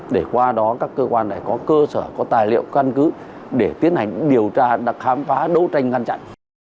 để qua đó các cơ quan lại có cơ sở có tài liệu căn cứ để tiến hành điều tra khám phá đấu tranh ngăn chặn